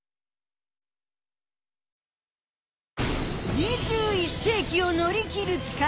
２１世きを乗り切る力。